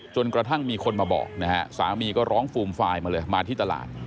จนกระทั่งมีคนมาบอกนะฮะสามีก็ร้องฟูมฟายมาเลยมาที่ตลาด